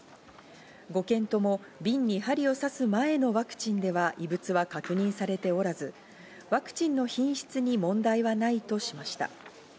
５件とも瓶に針を刺す前のワクチンでは異物は確認されておらず、ワクチンの品質に問題はないとしました。